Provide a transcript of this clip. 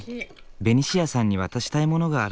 ベニシアさんに渡したいものがある。